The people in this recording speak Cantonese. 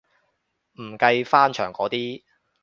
唔計翻牆嗰啲